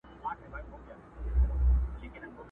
در جارېږمه سپوږمیه راته ووایه په مینه٫